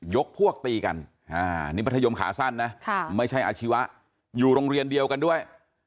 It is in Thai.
พวกตีกันนี่มัธยมขาสั้นนะไม่ใช่อาชีวะอยู่โรงเรียนเดียวกันด้วย